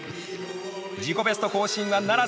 自己ベスト更新はならず。